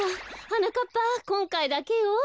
はなかっぱこんかいだけよ。